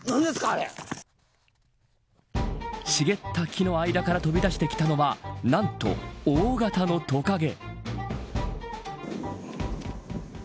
茂った木の間から飛び出してきたのはなんと、大型のトカゲ。